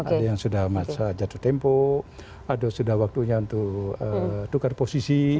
ada yang sudah masa jatuh tempo ada sudah waktunya untuk tukar posisi